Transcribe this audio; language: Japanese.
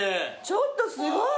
ちょっとすごい。